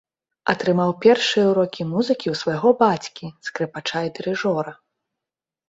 Атрымаў першыя ўрокі музыкі ў свайго бацькі, скрыпача і дырыжора.